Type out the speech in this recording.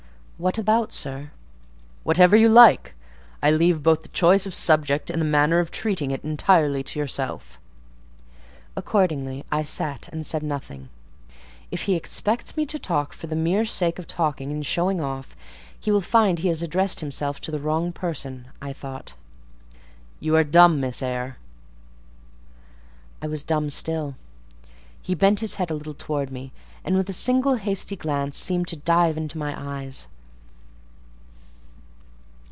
"What about, sir?" "Whatever you like. I leave both the choice of subject and the manner of treating it entirely to yourself." Accordingly I sat and said nothing: "If he expects me to talk for the mere sake of talking and showing off, he will find he has addressed himself to the wrong person," I thought. "You are dumb, Miss Eyre." I was dumb still. He bent his head a little towards me, and with a single hasty glance seemed to dive into my eyes.